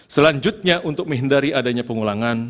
selanjutnya untuk menghindari adanya pengulangan